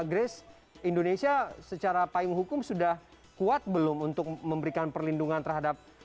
oke grace menurut indonesia secara apa yang hukum sudah kuat belum untuk memberikan perlindungan terhadap